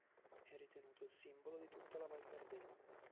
È ritenuto il simbolo di tutta la val Gardena.